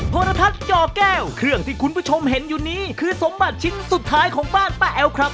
โทรทัศน์จอแก้วเครื่องที่คุณผู้ชมเห็นอยู่นี้คือสมบัติชิ้นสุดท้ายของบ้านป้าแอ๋วครับ